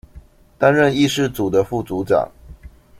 擔任議事組的副組長